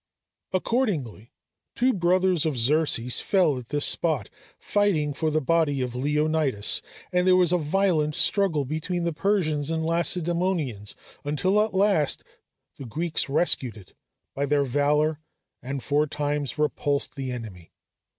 Accordingly, two brothers of Xerxes fell at this spot fighting for the body of Leonidas, and there was a violent struggle between the Persians and Lacedæmonians, until at last the Greeks rescued it by their valor and four times repulsed the enemy.